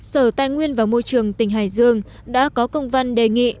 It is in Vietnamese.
sở tài nguyên và môi trường tỉnh hải dương đã có công văn đề nghị